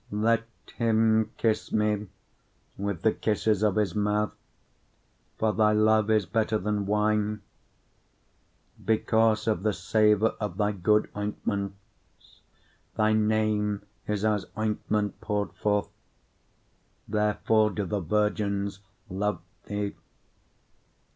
1:2 Let him kiss me with the kisses of his mouth: for thy love is better than wine. 1:3 Because of the savour of thy good ointments thy name is as ointment poured forth, therefore do the virgins love thee.